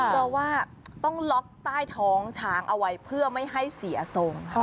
เพราะว่าต้องล็อกใต้ท้องช้างเอาไว้เพื่อไม่ให้เสียทรง